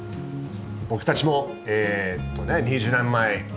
僕たちも２０年前。